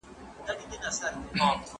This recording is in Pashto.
دا لر او بر پښتون به یو شي اخر.